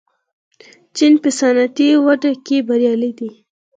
چین په صنعتي وده کې بریالی دی.